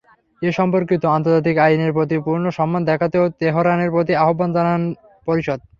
এ-সম্পর্কিত আন্তর্জাতিক আইনের প্রতি পূর্ণ সম্মান দেখাতেও তেহরানের প্রতি আহ্বান জানায় পরিষদ।